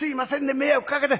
迷惑かけて。